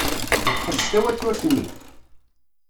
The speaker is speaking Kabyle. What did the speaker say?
Ḥbes tawaturt-nni!